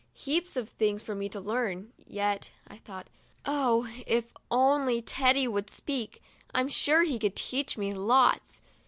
'Heaps of things for me to learn yet," I thought. " Oh, if only Teddy would speak, I'm sure he could teach me lots